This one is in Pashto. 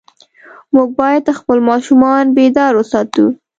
موږ باید خپل ماشومان بیدار وساتو.